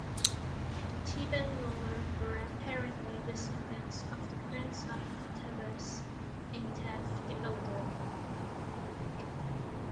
The Theban rulers were apparently descendants of the prince of Thebes, Intef the Elder.